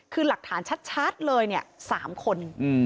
คือหลักฐานชัดเลย๓คน